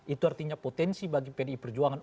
itu artinya potensi bagi pdi perjuangan